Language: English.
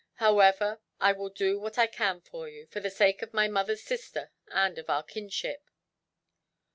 However, I will do what I can for you, for the sake of my mother's sister and of our kinship."